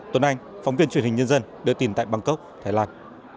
tuấn anh phóng viên truyền hình nhân dân đưa tin tại bangkok thái lan